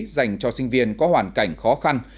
dành cho sinh viên có hoàn cảnh khó khăn